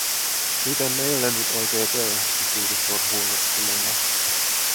"Miten meille nyt oikei käy?", kysyi Victor huolestuneena.